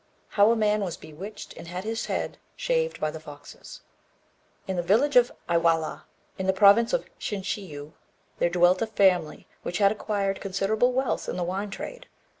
] HOW A MAN WAS BEWITCHED AND HAD HIS HEAD SHAVED BY THE FOXES In the village of Iwahara, in the province of Shinshiu, there dwelt a family which had acquired considerable wealth in the wine trade.